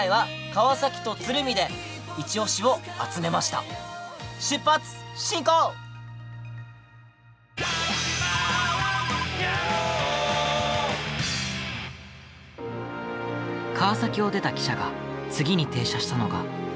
川崎を出た汽車が次に停車したのが。